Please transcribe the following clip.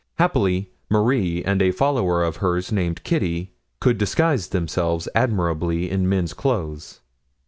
Happily Marie and a follower of hers named Kitty could disguise themselves admirably in men's clothes.